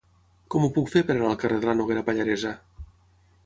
Com ho puc fer per anar al carrer de la Noguera Pallaresa?